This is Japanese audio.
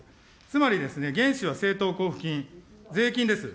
つまりですね、原資は政党交付金、税金です。